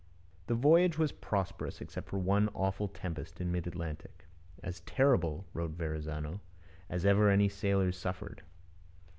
The voyage was prosperous, except for one awful tempest in mid Atlantic, 'as terrible,' wrote Verrazano, 'as ever any sailors suffered.'